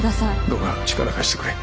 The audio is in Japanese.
どうか力貸してくれ。